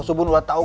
pusubun buat tau